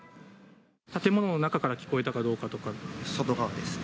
建物の中から聞こえたかどう外側ですね。